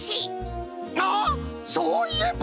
あっそういえば！